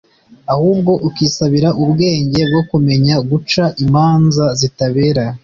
ahubwo ukisabira ubwenge bwo kumenya guca imanza zitabera